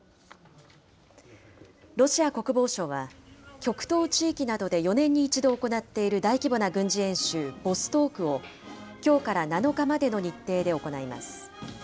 ロシア国防省は、極東地域などで４年に１度行っている大規模な軍事演習、ボストークを、きょうから７日までの日程で行います。